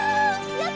やった！